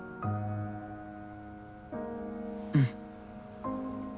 うん。